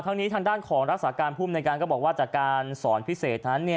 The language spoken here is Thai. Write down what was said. ทางด้านนี้ทางด้านของรักษาการภูมิในการก็บอกว่าจากการสอนพิเศษนั้น